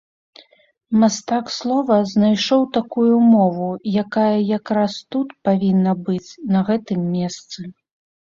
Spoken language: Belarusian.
Мастак слова знайшоў такую мову, якая якраз тут павінна быць на гэтым месцы.